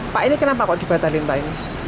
pak ini kenapa kok dibatalin pak ini